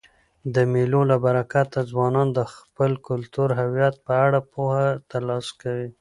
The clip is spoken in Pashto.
د مېلو له برکته ځوانان د خپل کلتوري هویت په اړه پوهه ترلاسه کوي.